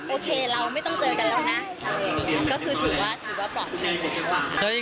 โอเคเราไม่ต้องเจอกันแล้วนะก็คือถือว่าถือว่าปลอดภัย